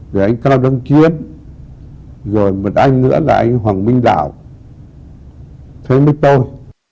để anh cao đông chiến rồi một anh nữa là anh hoàng minh đạo thế mới tôi